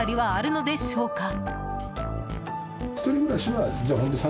心当たりはあるのでしょうか？